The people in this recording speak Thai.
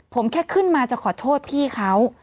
ผมแค่ขึ้นมาจะขอโทษพี่เขา